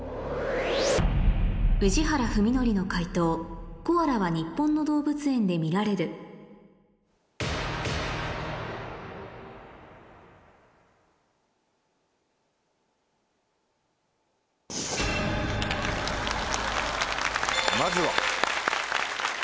宇治原史規の解答「コアラ」は日本の動物園で見られるまずは。